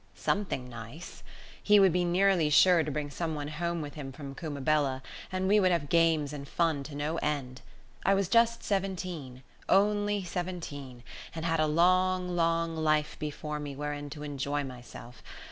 something nice. He would be nearly sure to bring someone home with him from Cummabella, and we would have games and fun to no end. I was just seventeen, only seventeen, and had a long, long life before me wherein to enjoy myself.